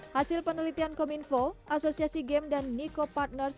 hasil penelitian kominfo asosiasi game dan niko partners